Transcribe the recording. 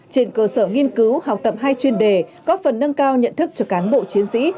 trên cơ sở nghiên cứu học tập hai chuyên đề góp phần nâng cao nhận thức cho cán bộ chiến sĩ